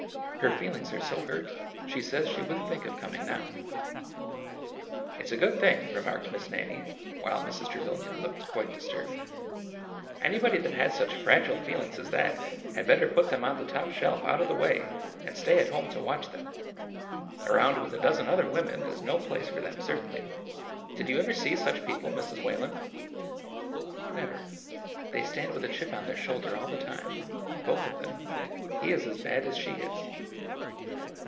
Her feelings are so hurt she says she would n't think of coming now." " It 's a good thing," remarked Miss Nannie, while Mrs. Trevilian looked quite disturbed. " Anybody that has such fragile feelings as that, had better put them on the top shelf out of the way and stay at home to watch them ! Around with a dozen other women is no place for them, certainly. Did you ever see such people, Mrs. Whalen?" " Never. They stand with a chip on their shoulder all the time — both of them— he is as bad as she is."